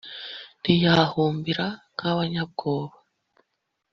Ntiyahumbira nk’ abanyabwoba